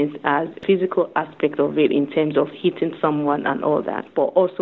sebagai aspek fisik dalam hal menangkap seseorang dan sebagainya